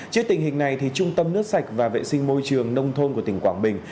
trước tình hình này trung tâm nước sạch và vệ sinh môi trường nông thôn của tỉnh quảng bình